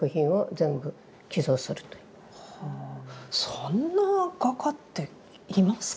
そんな画家っていますか？